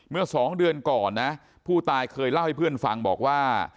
เมื่อสองเดือนก่อนนะผู้ตายเคยเล่าให้เพื่อนฟังบอกว่า